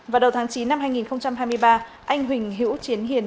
vào đầu tháng chín năm hai nghìn hai mươi ba anh huỳnh hữu chiến hiền